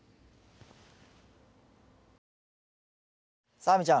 さあ亜美ちゃん